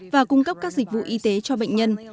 và cung cấp các dịch vụ y tế cho bệnh nhân